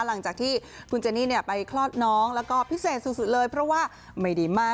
หลังจากที่คุณเจนี่ไปคลอดน้องแล้วก็พิเศษสุดเลยเพราะว่าไม่ดีมาก